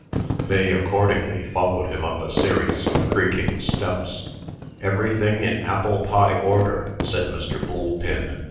They accordingly followed him up a series of creaking steps. "Everything in apple pie order," said Mr. Boolpin.